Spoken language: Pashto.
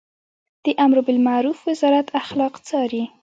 د امربالمعروف وزارت اخلاق څاري